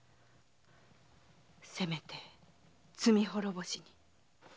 せめて罪滅ぼしに。